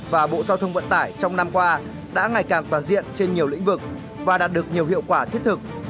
và bộ giao thông vận tải trong năm qua đã ngày càng toàn diện trên nhiều lĩnh vực và đạt được nhiều hiệu quả thiết thực